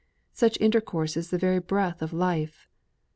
Such intercourse is the very breath of life.